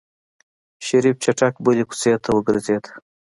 شريف چټک بلې کوڅې ته وګرځېد.